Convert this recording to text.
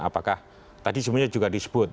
apakah tadi semuanya juga disebut